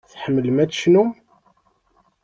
Tḥemmlem ad tecnum?